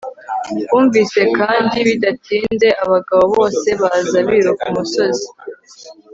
bumvise kandi bidatinze, abagabo bose baza biruka umusozi